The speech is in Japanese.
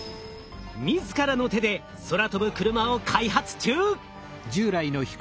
自らの手で空飛ぶクルマを開発中。